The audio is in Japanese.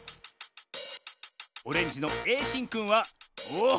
オレンジのえいしんくんはおお！